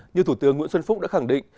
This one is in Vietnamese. như thủ tướng nguyễn xuân phúc đã khẳng định